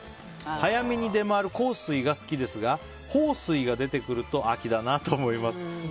早めに出回る幸水が好きですが豊水が出てくると秋だなと思います。